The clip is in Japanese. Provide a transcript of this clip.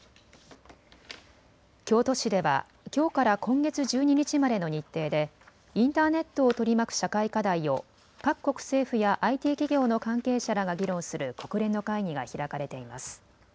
京都市ではきょうから今月１２日までの日程でインターネットを取り巻く社会課題を各国政府やＩＴ企業の関係者らが議論する国連の会議が開かれています。